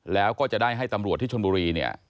แล้วก็จะได้ให้ตำรวจที่ชนบุรีเนี่ย